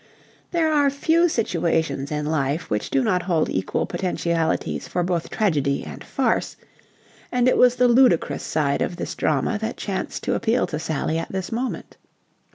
There are few situations in life which do not hold equal potentialities for both tragedy and farce, and it was the ludicrous side of this drama that chanced to appeal to Sally at this moment.